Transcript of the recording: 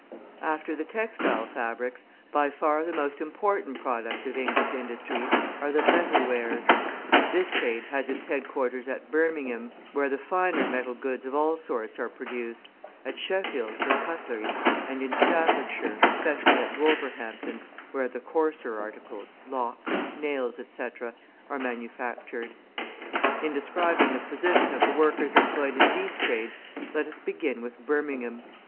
After the textile fabrics, by far the most important products of English industry are the metal wares. This trade has its headquarters at Birmingham, where the finer metal goods of all sorts are produced, at Sheffield for cutlery, and in Staffordshire, especially at Wolverhampton, where the coarser articles, locks, nails, etc., are manufactured. In describing the position of the workers employed in these trades, let us begin with Birmingham.